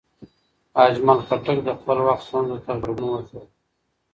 اجمل خټک د خپل وخت ستونزو ته غبرګون وښود.